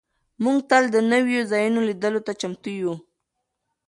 موږ تل د نویو ځایونو لیدلو ته چمتو یو.